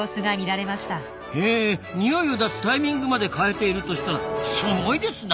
へえ匂いを出すタイミングまで変えているとしたらすごいですな！